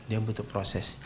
dia butuh proses